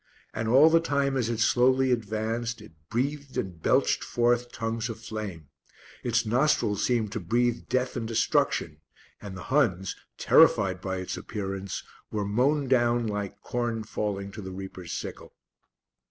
And all the time as it slowly advanced, it breathed and belched forth tongues of flame; its nostrils seemed to breathe death and destruction, and the Huns, terrified by its appearance, were mown down like corn falling to the reaper's sickle.